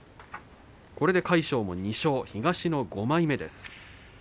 これで２勝、東の５枚目です。